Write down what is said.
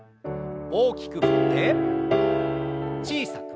大きく振って小さく。